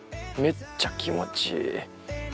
めっちゃ気持ちいい！